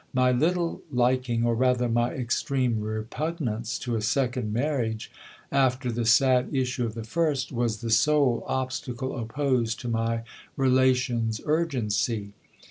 My little liking, or rather my extreme repugnance, to a second marriage, after the sad issue of the first, was the sole obstacle opposed to my relation's urgency.